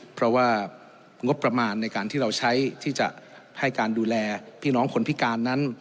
เพราะว่างบประมาณในการที่เราใช้ที่จะให้การดูแลพี่น้องคนพิการนั้น